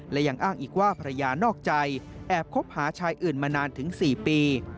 และยังอ้างอีกว่าภรรยานอกใจแอบคบหาชายอื่นมานานถึง๔ปี